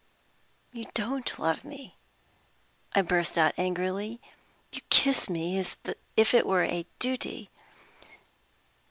"You don't love me!" I burst out, angrily. "You kiss me as if it were a duty.